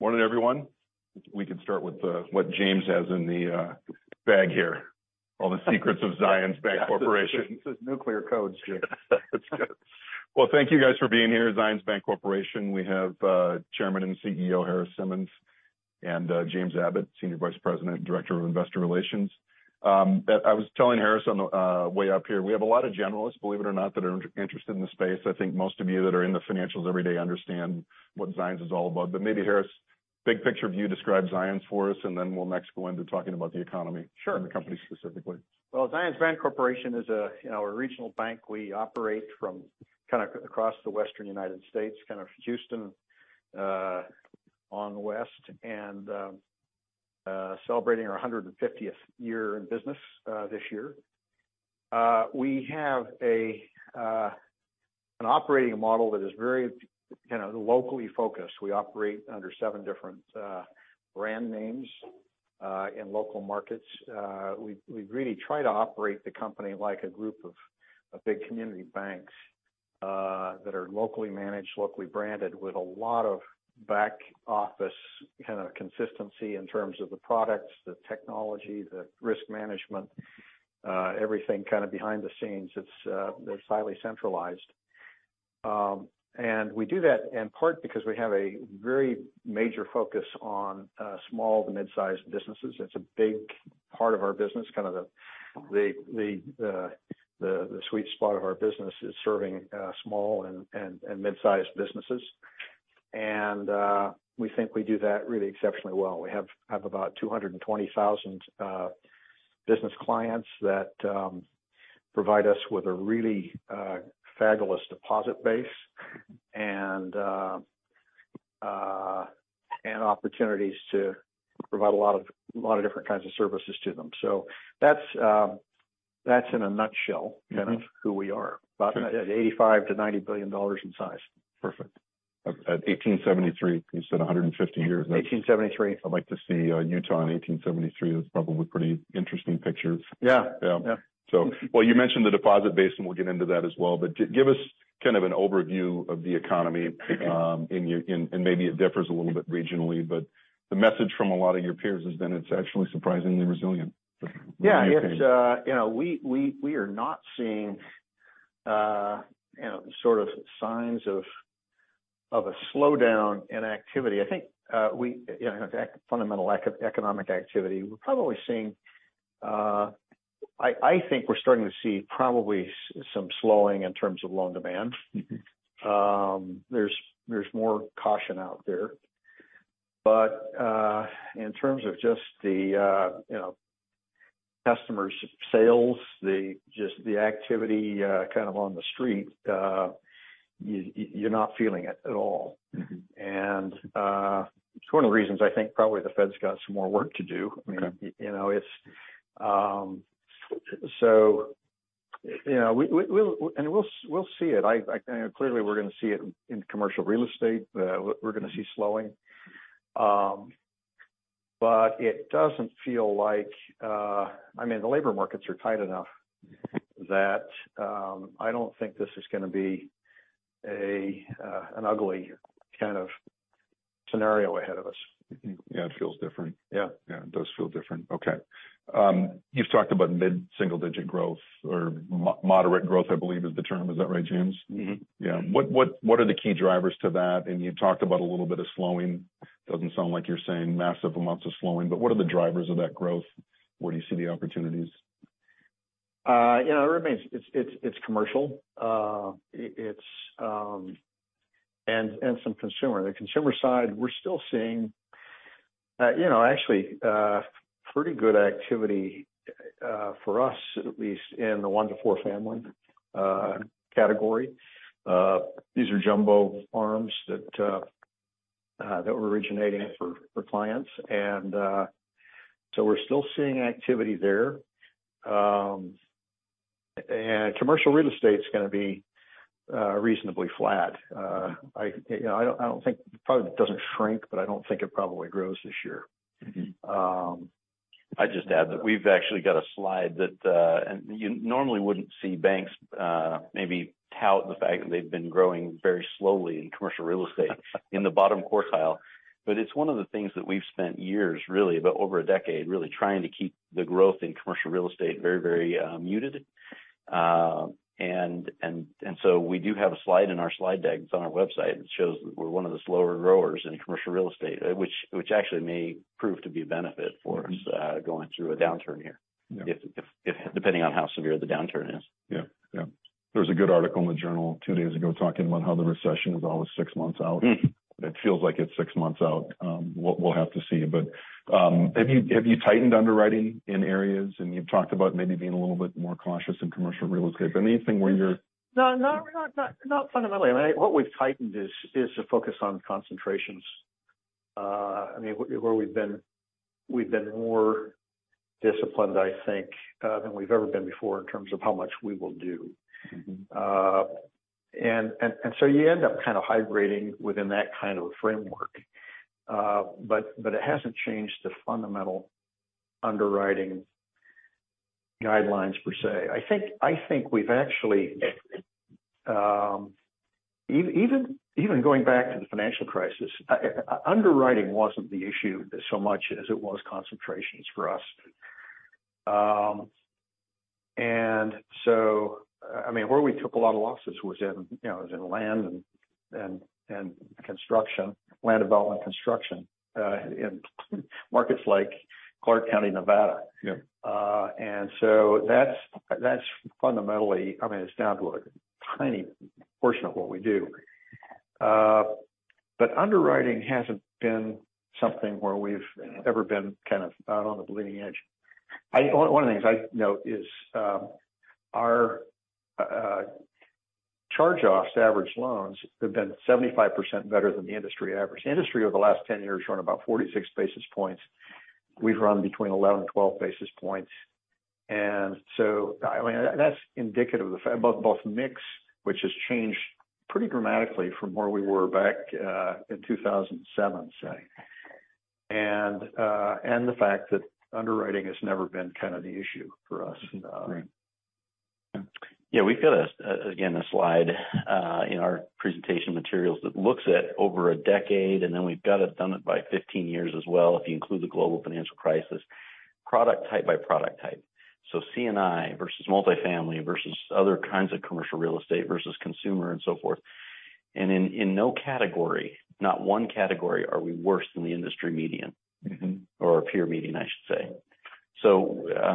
Morning, everyone. We can start with, what James has in the bag here. All the secrets of Zions Bancorporation. This is nuclear codes, Jon. That's good. Well, thank you guys for being here. Zions Bancorporation. We have Chairman and CEO Harris Simmons, and James Abbott, Senior Vice President and Director of Investor Relations. I was telling Harris on the way up here, we have a lot of generalists, believe it or not, that are interested in this space. I think most of you that are in the financials every day understand what Zions is all about. Maybe Harris, big picture view, describe Zions for us, and then we'll next go into talking about the economy... Sure. The company specifically. Well, Zions Bancorporation is a, you know, a regional bank. We operate from kinda across the Western United States, kind of Houston on the west, and celebrating our 150th year in business this year. We have a an operating model that is very, kinda locally focused. We operate under seven different brand names in local markets. We really try to operate the company like a group of big community banks that are locally managed, locally branded, with a lot of back office kinda consistency in terms of the products, the technology, the risk management, everything kinda behind the scenes that's highly centralized. We do that in part because we have a very major focus on small to mid-sized businesses. It's a big part of our business, kind of the sweet spot of our business is serving small and mid-sized businesses. We think we do that really exceptionally well. We have about 220,000 business clients that provide us with a really fabulous deposit base and opportunities to provide a lot of different kinds of services to them. That's in a nutshell. Mm-hmm. Kind of who we are. About at $85 billion-$90 billion in size. Perfect. At 1873, you said 150 years. 1873. I'd like to see, Utah in 1873. That's probably pretty interesting pictures. Yeah. Yeah. Yeah. Well, you mentioned the deposit base, and we'll get into that as well. Give us kind of an overview of the economy in your... Maybe it differs a little bit regionally, but the message from a lot of your peers has been it's actually surprisingly resilient. Yeah. It's, you know, we are not seeing, you know, sort of signs of a slowdown in activity. I think, we, you know, fundamental economic activity. We're probably seeing. I think we're starting to see probably some slowing in terms of loan demand. Mm-hmm. There's more caution out there. In terms of just the, you know, customers' sales, just the activity, kind of on the street, you're not feeling it at all. Mm-hmm. It's one of the reasons I think probably the Fed's got some more work to do. Okay. You know, it's... You know, we and we'll see it. I, you know, clearly we're gonna see it in commercial real estate. We're gonna see slowing. It doesn't feel like... I mean, the labor markets are tight enough that, I don't think this is gonna be an ugly kind of scenario ahead of us. Mm-hmm. Yeah, it feels different. Yeah. Yeah, it does feel different. Okay. You've talked about mid-single-digit growth or moderate growth, I believe is the term. Is that right, James? Mm-hmm. Yeah. What are the key drivers to that? You talked about a little bit of slowing. Doesn't sound like you're saying massive amounts of slowing. What are the drivers of that growth? Where do you see the opportunities? You know, it remains it's, it's commercial. It, it's... Some consumer. The consumer side, we're still seeing, you know, actually, pretty good activity, for us, at least in the 1 to 4 family, category. These are jumbo ARMs that we're originating for clients. We're still seeing activity there. Commercial real estate's gonna be, reasonably flat. I, you know, I don't, I don't think probably it doesn't shrink, but I don't think it probably grows this year. Mm-hmm. Um- I'd just add that we've actually got a slide that, and you normally wouldn't see banks, maybe tout the fact that they've been growing very slowly in commercial real estate in the bottom quartile. It's one of the things that we've spent years, really, about over a decade, really trying to keep the growth in commercial real estate very, very, muted. We do have a slide in our slide deck, it's on our website, that shows that we're one of the slower growers in commercial real estate, which actually may prove to be a benefit for us. Mm-hmm. Going through a downturn here. Yeah. If, depending on how severe the downturn is. Yeah. Yeah. There was a good article in the Journal two days ago talking about how the recession was always six months out. Hmm. It feels like it's six months out. We'll have to see. Have you tightened underwriting in areas and you've talked about maybe being a little bit more cautious in commercial real estate. Anything? No, not fundamentally. What we've tightened is to focus on concentrations. I mean, where we've been more disciplined, I think, than we've ever been before in terms of how much we will do. Mm-hmm. You end up kind of hydrating within that kind of a framework. It hasn't changed the fundamental underwriting guidelines per se. I think we've actually, even going back to the financial crisis, underwriting wasn't the issue so much as it was concentrations for us. I mean, where we took a lot of losses was in, you know, was in land and construction, land development construction, in markets like Clark County, Nevada. Yeah. That's fundamentally I mean, it's down to a tiny portion of what we do. Underwriting hasn't been something where we've ever been kind of out on the bleeding edge. One of the things I note is, our charge-offs to average loans have been 75% better than the industry average. Industry over the last 10 years run about 46 basis points. We've run between 11 and 12 basis points. I mean, that's indicative of the fact, both mix, which has changed pretty dramatically from where we were back in 2007, say. The fact that underwriting has never been kind of the issue for us. Right. Yeah. We've got a, again, a slide in our presentation materials that looks at over a decade, and then we've got it done it by 15 years as well, if you include the global financial crisis, product type by product type. C&I versus multifamily versus other kinds of commercial real estate versus consumer and so forth. In no category, not one category, are we worse than the industry median- Mm-hmm. Peer median, I should say.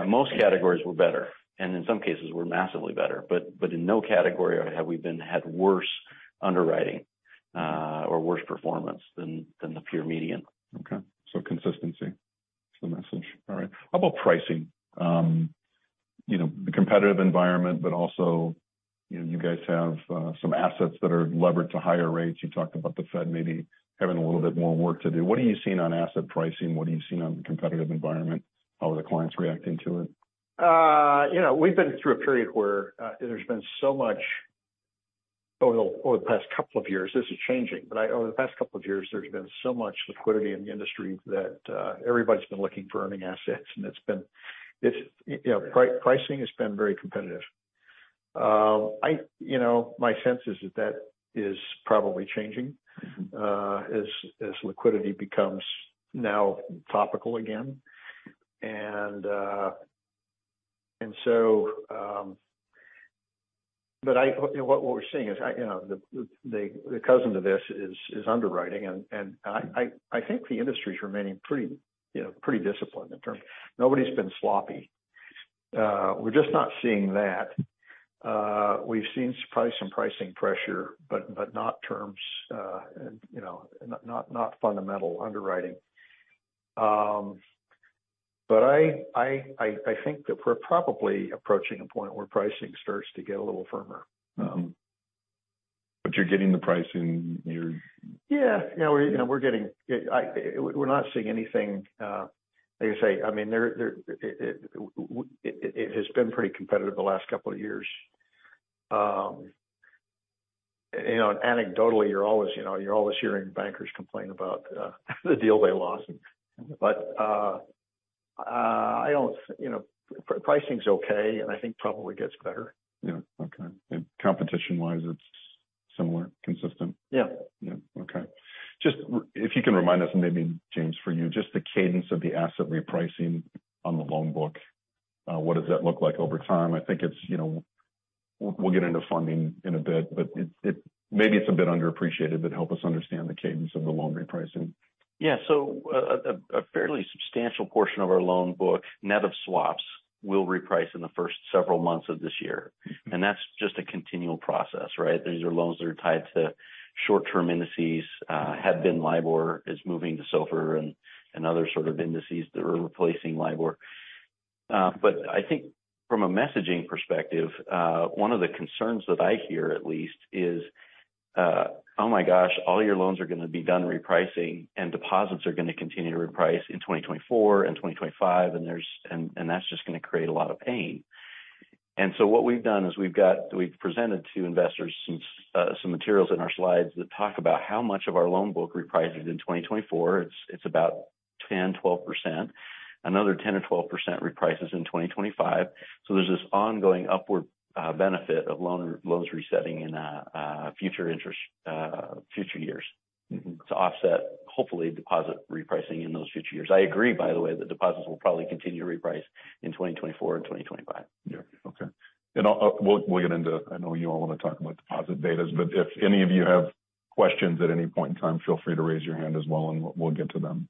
Most categories we're better, and in some cases we're massively better. In no category have we had worse underwriting, or worse performance than the peer median. Okay. Consistency is the message. All right. How about pricing? You know, the competitive environment, but also, you know, you guys have some assets that are levered to higher rates. You talked about the Fed maybe having a little bit more work to do. What are you seeing on asset pricing? What are you seeing on the competitive environment? How are the clients reacting to it? You know, we've been through a period where there's been so much over the past couple of years, this is changing. Over the past couple of years, there's been so much liquidity in the industry that everybody's been looking for earning assets, and it's been, it's, you know, pricing has been very competitive. You know, my sense is that that is probably changing- Mm-hmm. As liquidity becomes now topical again. What we're seeing is, you know, the cousin to this is underwriting. I think the industry is remaining pretty, you know, pretty disciplined in terms of... Nobody's been sloppy. We're just not seeing that. We've seen probably some pricing pressure, but not terms, you know, not fundamental underwriting. I think that we're probably approaching a point where pricing starts to get a little firmer. You're getting the pricing. Yeah. We're not seeing anything, like I say, I mean, there has been pretty competitive the last couple of years. You know, anecdotally, you're always, you know, you're always hearing bankers complain about the deal they lost. I don't. You know, pricing's okay, and I think probably gets better. Yeah. Okay. Competition-wise, it's similar, consistent? Yeah. Yeah. Okay. Just if you can remind us, and maybe James, for you, just the cadence of the asset repricing on the loan book. What does that look like over time? I think it's, you know, we'll get into funding in a bit, but maybe it's a bit underappreciated, but help us understand the cadence of the loan repricing. Yeah. A fairly substantial portion of our loan book, net of swaps, will reprice in the first several months of this year. Mm-hmm. That's just a continual process, right? These are loans that are tied to short-term indices, have been LIBOR, is moving to SOFR and other sort of indices that are replacing LIBOR. I think from a messaging perspective, one of the concerns that I hear at least is, oh, my gosh, all your loans are gonna be done repricing and deposits are gonna continue to reprice in 2024 and 2025, and that's just gonna create a lot of pain. What we've done is we've presented to investors some materials in our slides that talk about how much of our loan book reprices in 2024. It's about 10%, 12%. Another 10% or 12% reprices in 2025. There's this ongoing upward, benefit of loans resetting in, future interest, future years. Mm-hmm. To offset, hopefully, deposit repricing in those future years. I agree, by the way, that deposits will probably continue to reprice in 2024 and 2025. Okay. We'll get into... I know you all want to talk about deposit betas, but if any of you have questions at any point in time, feel free to raise your hand as well, and we'll get to them.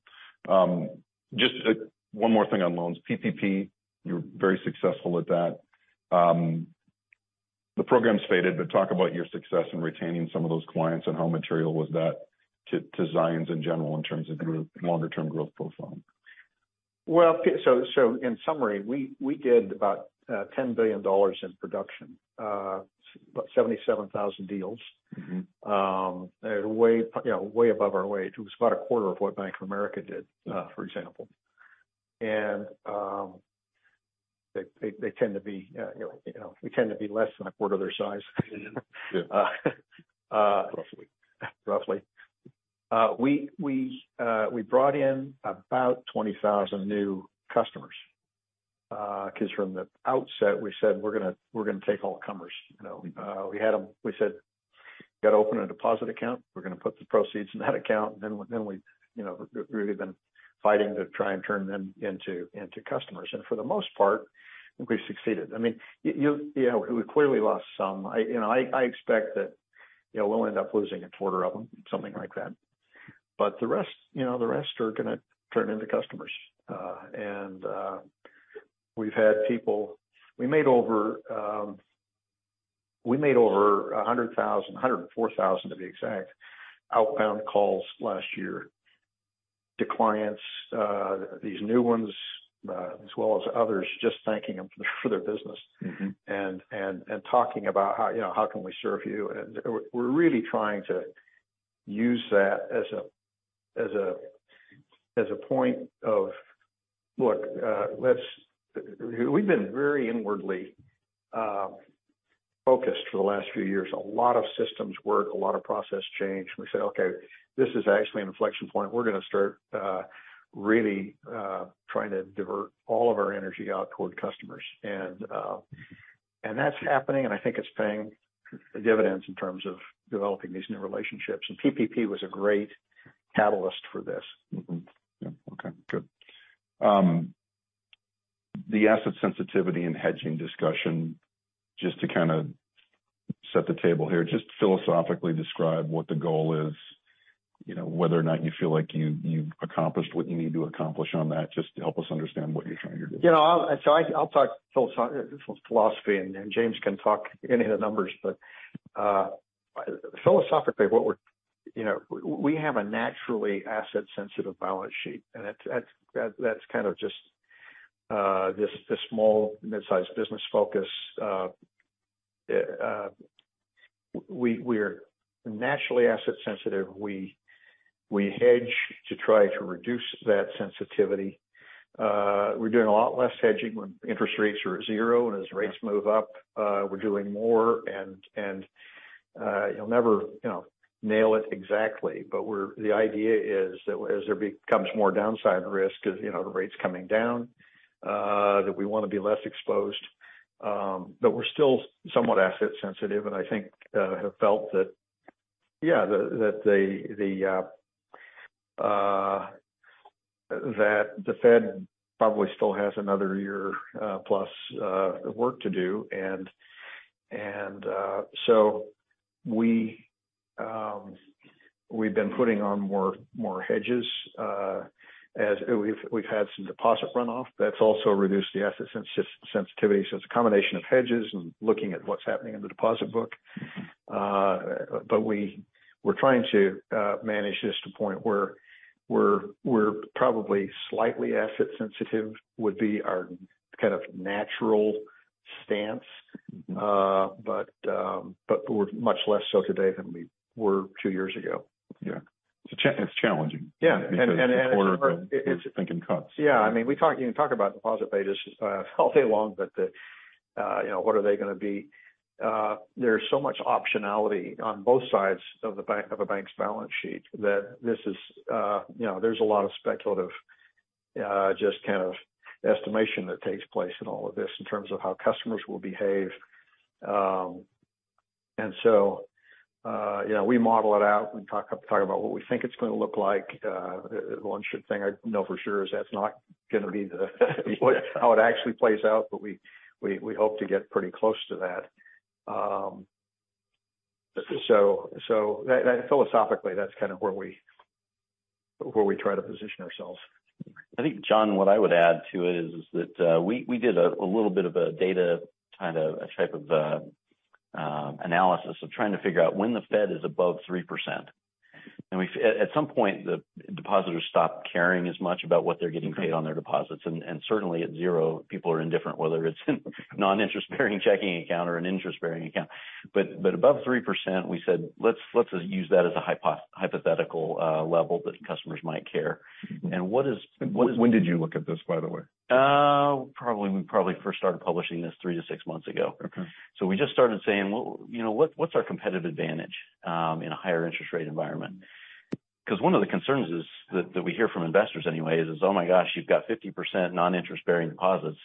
Just one more thing on loans. PPP, you're very successful with that. The program's faded, but talk about your success in retaining some of those clients and how material was that to Zions in general in terms of longer-term growth profile. Well, in summary, we did about $10 billion in production, about 77,000 deals. Mm-hmm. Way, you know, way above our weight. It was about a quarter of what Bank of America did, for example. They tend to be, you know, we tend to be less than a quarter of their size. Mm-hmm. Yeah. Uh. Roughly. Roughly. We brought in about 20,000 new customers. 'Cause from the outset we said we're gonna, we're gonna take all comers, you know? We had them. We said, gotta open a deposit account. We're gonna put the proceeds in that account. Then we, you know, really been fighting to try and turn them into customers. For the most part, we've succeeded. I mean, yeah, we clearly lost some. I, you know, I expect that, you know, we'll end up losing a quarter of them, something like that. The rest, you know, the rest are gonna turn into customers. We've had people... We made over 100,000, 104,000 to be exact, outbound calls last year to clients, these new ones, as well as others, just thanking them for their business. Mm-hmm. Talking about how, you know, how can we serve you? We're really trying to use that as a point of look, we've been very inwardly focused for the last few years. A lot of systems work, a lot of process change. We said, "Okay, this is actually an inflection point. We're gonna start really trying to divert all of our energy out toward customers." That's happening, and I think it's paying dividends in terms of developing these new relationships. PPP was a great catalyst for this. Yeah. Okay. Good. The asset sensitivity and hedging discussion, just to kinda set the table here, just philosophically describe what the goal is, you know, whether or not you feel like you've accomplished what you need to accomplish on that, just to help us understand what you're trying to do. Yeah. I'll talk philosophy and James can talk into the numbers. Philosophically, what we're, you know, we have a naturally asset sensitive balance sheet, and that's kind of just this small mid-sized business focus. We're naturally asset sensitive. We hedge to try to reduce that sensitivity. We're doing a lot less hedging when interest rates are at zero. As rates move up, we're doing more and you'll never, you know, nail it exactly. The idea is that as there becomes more downside risk as, you know, the rates coming down, that we wanna be less exposed. We're still somewhat asset sensitive, and I think, have felt that, yeah, that the Fed probably still has another year plus work to do. We've been putting on more hedges as we've had some deposit runoff. That's also reduced the asset sensitivity. It's a combination of hedges and looking at what's happening in the deposit book. We're trying to manage this to a point where we're probably slightly asset sensitive, would be our kind of natural stance. Mm-hmm. We're much less so today than we were two years ago. Yeah. It's challenging. Yeah. A quarter of it is making cuts. Yeah. I mean, you can talk about deposit betas all day long. You know, what are they gonna be? There's so much optionality on both sides of a bank's balance sheet that this is, you know, there's a lot of speculative, just kind of estimation that takes place in all of this in terms of how customers will behave. You know, we model it out. We talk about what we think it's gonna look like. The one sure thing I know for sure is that's not gonna be how it actually plays out, but we hope to get pretty close to that. Philosophically, that's kind of where we try to position ourselves. I think, Jon, what I would add to it is that we did a little bit of a data, kind of a type of analysis of trying to figure out when the Fed is above 3%. At some point, the depositors stop caring as much about what they're getting paid on their deposits. Certainly at zero, people are indifferent, whether it's non-interest-bearing checking account or an interest-bearing account. Above 3%, we said, let's just use that as a hypothetical level that customers might care. Mm-hmm. What is. When did you look at this, by the way? We probably first started publishing this three-six months ago. Okay. We just started saying, well, you know, what's our competitive advantage in a higher interest rate environment? 'Cause one of the concerns is, that we hear from investors anyway is, oh my gosh, you've got 50% non-interest-bearing deposits.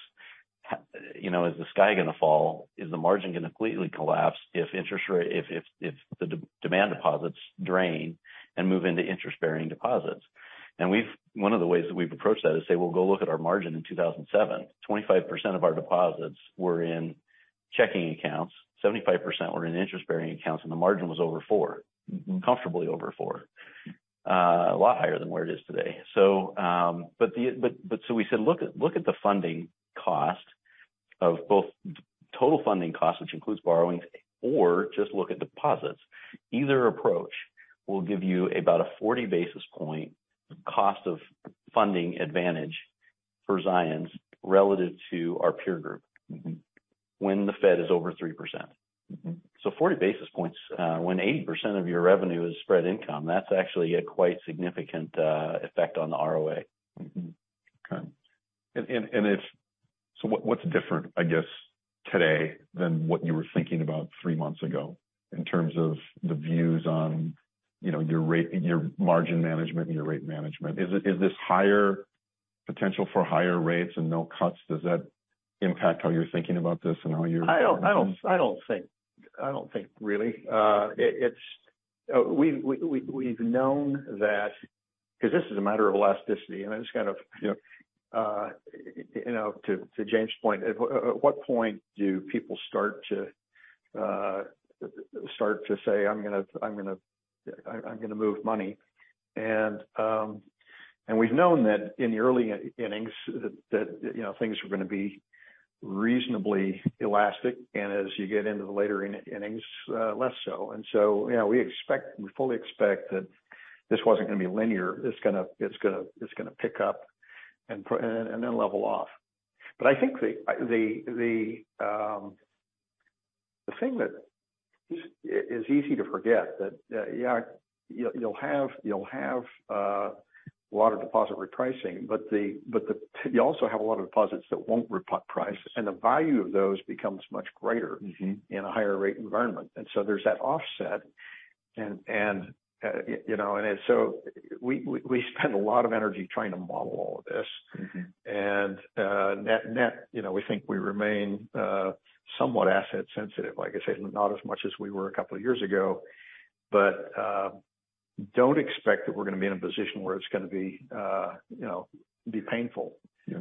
you know, is the sky gonna fall? Is the margin gonna completely collapse if the demand deposits drain and move into interest-bearing deposits? One of the ways that we've approached that is say, well, go look at our margin in 2007. 25% of our deposits were in checking accounts, 75% were in interest-bearing accounts, and the margin was over 4%. Mm-hmm. Comfortably over four. A lot higher than where it is today. We said, look at the funding cost of both total funding cost, which includes borrowings, or just look at deposits. Either approach will give you about a 40 basis point cost of funding advantage for Zions relative to our peer group. Mm-hmm... when the Fed is over 3%. Mm-hmm. 40 basis points, when 80% of your revenue is spread income, that's actually a quite significant effect on the ROA. Mm-hmm. Okay. What, what's different, I guess, today than what you were thinking about three months ago in terms of the views on, you know, your margin management and your rate management? Is this higher potential for higher rates and no cuts, does that impact how you're thinking about this and how you're I don't think really. We've known that because this is a matter of elasticity, and I just kind of, you know, to James' point, at what point do people start to say, "I'm gonna move money." We've known that in the early innings that, you know, things were gonna be reasonably elastic, and as you get into the later innings, less so. You know, we expect, we fully expect that this wasn't gonna be linear. It's gonna pick up and then level off. I think the thing that is easy to forget that, yeah, you'll have a lot of deposit repricing, but the you also have a lot of deposits that won't reprice, and the value of those becomes much greater. Mm-hmm. -in a higher rate environment. There's that offset. You know, we spend a lot of energy trying to model all of this. Mm-hmm. Net, net, you know, we think we remain somewhat asset sensitive. Like I said, not as much as we were a couple of years ago, but, don't expect that we're gonna be in a position where it's gonna be, you know, be painful. Yeah.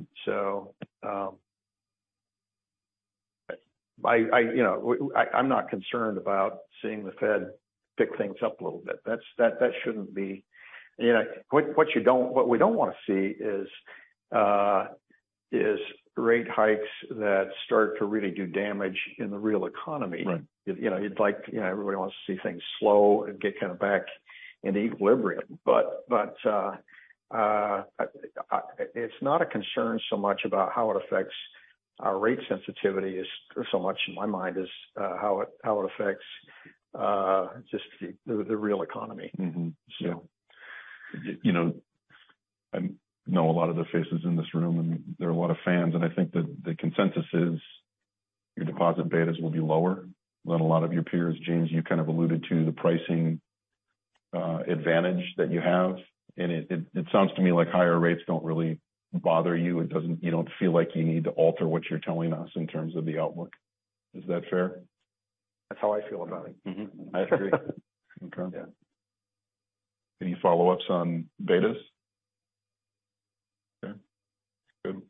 I, you know, I'm not concerned about seeing the Fed pick things up a little bit. That shouldn't be. You know, what we don't wanna see is rate hikes that start to really do damage in the real economy. Right. You know, everybody wants to see things slow and get kind of back into equilibrium. It's not a concern so much about how it affects our rate sensitivity is so much in my mind as how it, how it affects just the real economy. Mm-hmm. So. You know, I know a lot of the faces in this room, and there are a lot of fans, and I think that the consensus is your deposit betas will be lower than a lot of your peers. James, you kind of alluded to the pricing advantage that you have. It, it sounds to me like higher rates don't really bother you. You don't feel like you need to alter what you're telling us in terms of the outlook. Is that fair? That's how I feel about it. Mm-hmm. I agree. Okay. Yeah. Any follow-ups on betas? Okay. Good.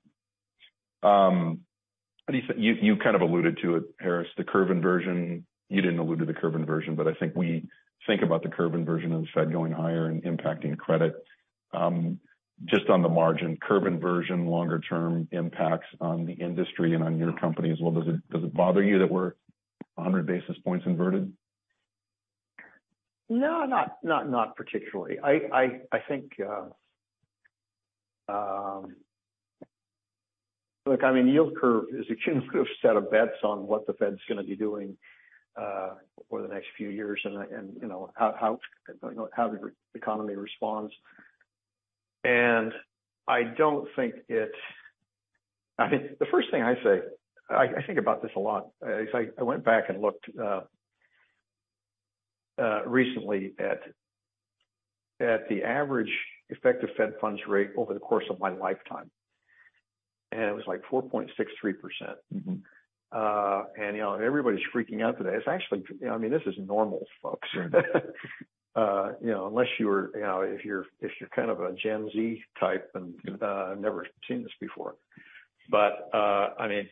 You kind of alluded to it, Harris, the curve inversion. You didn't allude to the curve inversion, but I think we think about the curve inversion of the Fed going higher and impacting credit, just on the margin. Curve inversion, longer term impacts on the industry and on your company as well. Does it bother you that we're 100 basis points inverted? No, not particularly. I think, Look, I mean, yield curve is a cumulative set of bets on what the Fed's gonna be doing over the next few years and, you know, how, you know, how the economy responds. I don't think it's I mean, the first thing I say, I think about this a lot. It's like I went back and looked recently at the average effective Fed funds rate over the course of my lifetime. It was like 4.63%. Mm-hmm. you know, everybody's freaking out today. It's actually, you know, I mean, this is normal, folks. you know, unless you're, you know, if you're kind of a Gen Z type and never seen this before. I mean,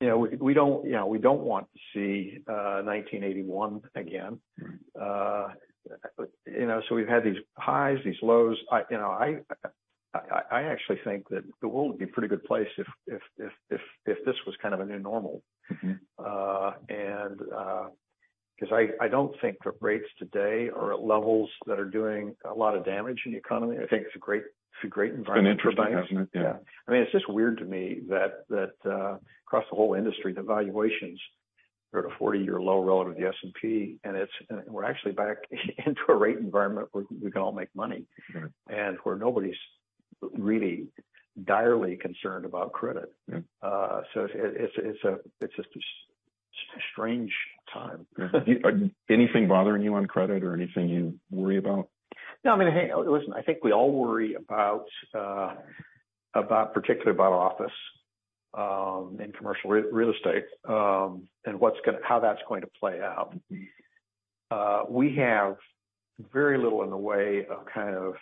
you know, we don't, you know, we don't want to see 1981 again. you know, we've had these highs, these lows. I, you know, I actually think that the world would be a pretty good place if this was kind of a new normal. Mm-hmm. 'Cause I don't think that rates today are at levels that are doing a lot of damage in the economy. I think it's a great, it's a great environment for banks. It's been interesting, hasn't it? Yeah. I mean, it's just weird to me that, across the whole industry, the valuations are at a 40-year low relative to the S&P, and we're actually back into a rate environment where we can all make money. Sure. where nobody's really direly concerned about credit. Yeah. It's just a strange time. Are anything bothering you on credit or anything you worry about? No. I mean, hey, listen, I think we all worry about particularly about office and commercial real estate, and how that's going to play out. We have very little in the way of kind of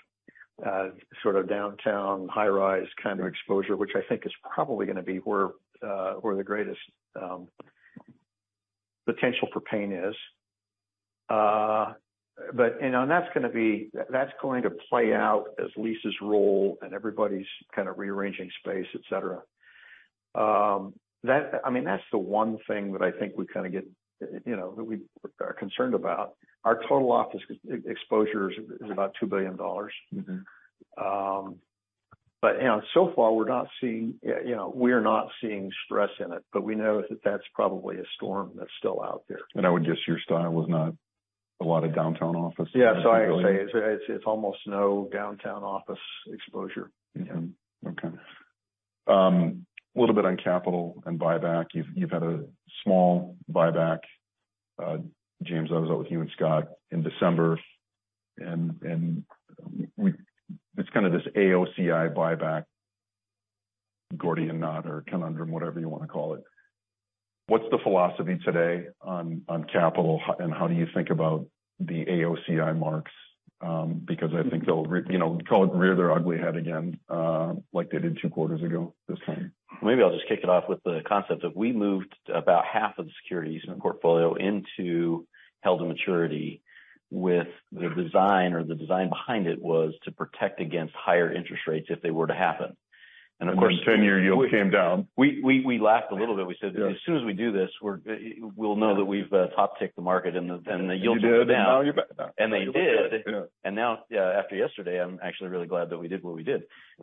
sort of downtown high-rise kind of exposure, which I think is probably gonna be where the greatest potential for pain is. That's going to play out as leases roll and everybody's kind of rearranging space, et cetera. I mean, that's the one thing that I think we kinda get, you know, that we are concerned about. Our total office exposure is about $2 billion. Mm-hmm. You know, so far we're not seeing, you know, we are not seeing stress in it, but we know that that's probably a storm that's still out there. I would guess your style is A lot of downtown office. Yeah. I say it's almost no downtown office exposure. Okay. A little bit on capital and buyback. You've had a small buyback. James, I was out with you and Scott in December and we it's kind of this AOCI buyback Gordian knot or conundrum, whatever you wanna call it. What's the philosophy today on capital? How do you think about the AOCI marks? Because I think they'll you know, call it rear their ugly head again, like they did two quarters ago this time. Maybe I'll just kick it off with the concept of we moved about half of the securities portfolio into held-to-maturity with the design behind it was to protect against higher interest rates if they were to happen. Of course. Your 10-year yield came down. We lacked a little bit. We said that as soon as we do this, we'll know that we've top ticked the market and the yields will come down. You did, and now you're back. They did. Yeah. Now, after yesterday, I'm actually really glad that we did what we did.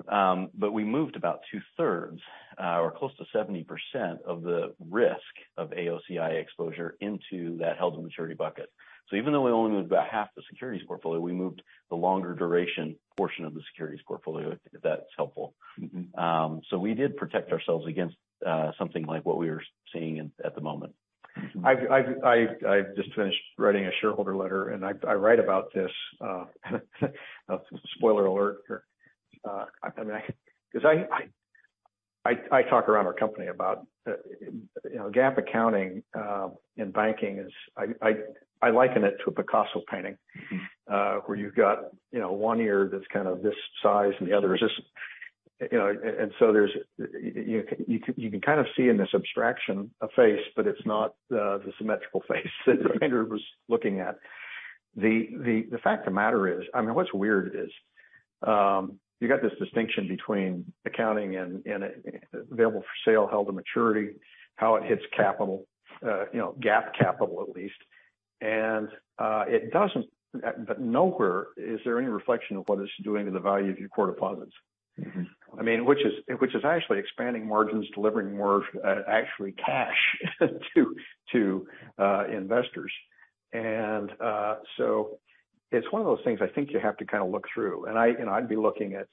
But we moved about 2/3, or close to 70% of the risk of AOCI exposure into that held-to-maturity bucket. Even though we only moved about half the securities portfolio, we moved the longer duration portion of the securities portfolio, if that's helpful. Mm-hmm. We did protect ourselves against something like what we were seeing at the moment. Mm-hmm. I've just finished writing a shareholder letter, and I write about this, spoiler alert. I mean, 'Cause I talk around our company about, you know, GAAP accounting in banking is I liken it to a Picasso painting. Mm-hmm. Where you've got, you know, one ear that's kind of this size and the other is this, you know. So there's... You can kind of see in this abstraction a face, but it's not the symmetrical face that Andrew was looking at. The fact of the matter is, I mean, what's weird is, you got this distinction between accounting and available for sale, held-to-maturity, how it hits capital, you know, GAAP capital at least. It doesn't but nowhere is there any reflection of what it's doing to the value of your core deposits. Mm-hmm. I mean, which is, which is actually expanding margins, delivering more, actually cash to investors. So it's one of those things I think you have to kinda look through. I'd be looking at,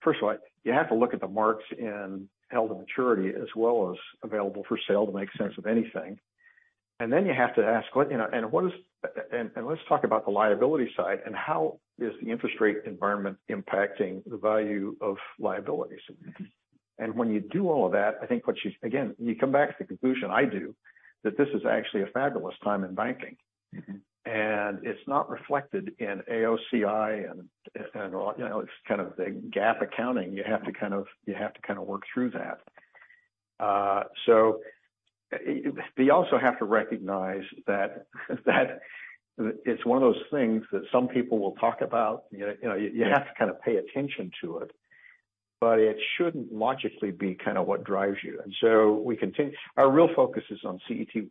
first of all, you have to look at the marks in held-to-maturity as well as available for sale to make sense of anything. Then you have to ask what, you know, and let's talk about the liability side and how is the interest rate environment impacting the value of liabilities. Mm-hmm. When you do all of that, I think again, you come back to the conclusion I do, that this is actually a fabulous time in banking. Mm-hmm. It's not reflected in AOCI and all, you know, it's kind of the GAAP accounting. You have to kind of work through that. You also have to recognize that it's one of those things that some people will talk about. You know, you have to kind of pay attention to it, but it shouldn't logically be kind of what drives you. Our real focus is on CET1.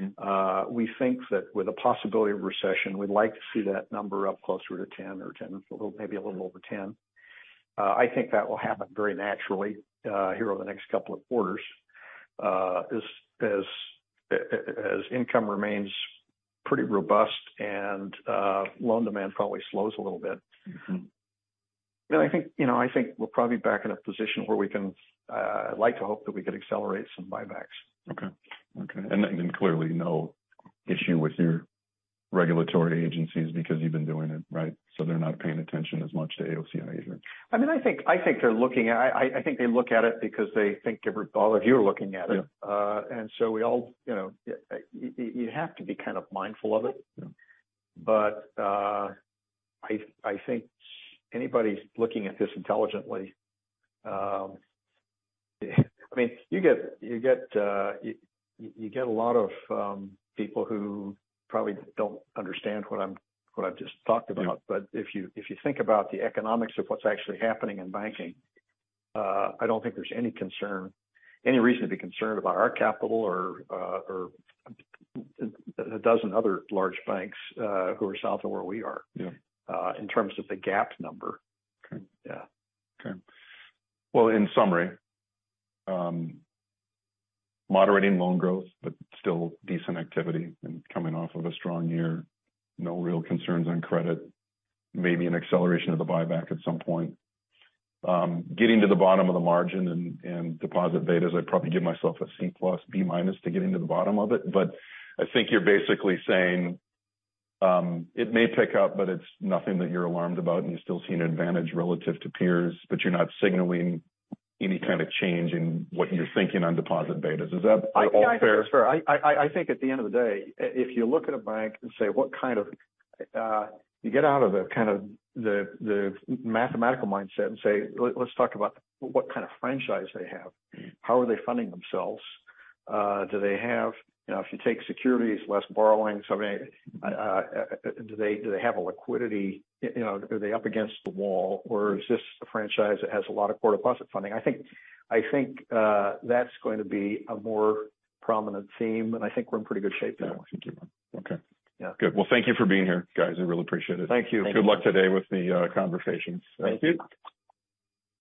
Mm-hmm. We think that with the possibility of recession, we'd like to see that number up closer to 10 or 10, maybe a little over 10. I think that will happen very naturally here over the next couple of quarters, as income remains pretty robust and loan demand probably slows a little bit. Mm-hmm. You know, I think, you know, I think we're probably back in a position where we can, like to hope that we could accelerate some buybacks. Okay. Okay. Clearly, no issue with your regulatory agencies because you've been doing it, right? They're not paying attention as much to AOCI either. I mean, I think they're looking at. I think they look at it because they think all of you are looking at it. Yeah. We all, you know, you have to be kind of mindful of it. Yeah. I think anybody looking at this intelligently, I mean, you get a lot of people who probably don't understand what I'm, what I've just talked about. Yeah. If you think about the economics of what's actually happening in banking, I don't think there's any concern, any reason to be concerned about our capital or a dozen other large banks, who are south of where we are. Yeah. In terms of the GAAP number. Okay. Yeah. Okay. Well, in summary, moderating loan growth, but still decent activity and coming off of a strong year. No real concerns on credit. Maybe an acceleration of the buyback at some point. Getting to the bottom of the margin and deposit betas, I'd probably give myself a C plus, B minus to getting to the bottom of it. I think you're basically saying, it may pick up, but it's nothing that you're alarmed about and you still see an advantage relative to peers, but you're not signaling any kind of change in what you're thinking on deposit betas. Is that all fair? I think at the end of the day, if you look at a bank and say what kind of, you get out of the kind of the mathematical mindset and say, let's talk about what kind of franchise they have. Mm-hmm. How are they funding themselves? Do they have, you know, if you take securities less borrowings, I mean, do they have a liquidity? You know, are they up against the wall or is this a franchise that has a lot of core deposit funding? I think that's going to be a more prominent theme, and I think we're in pretty good shape there. Yeah. Okay. Yeah. Good. Well, thank you for being here, guys. I really appreciate it. Thank you. Thank you. Good luck today with the conversations. Thank you.